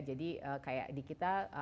jadi kayak di kita